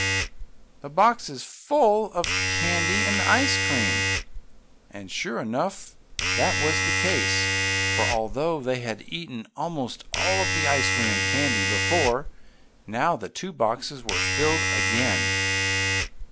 The box is full of candy and ice cream!" And sure enough that was the case, for although they had eaten almost all of the ice cream and candy before now the two boxes were filled again.